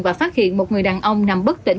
và phát hiện một người đàn ông nằm bất tỉnh